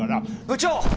部長！